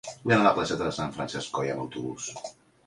Vull anar a la placeta de Sant Francesc Coll amb autobús.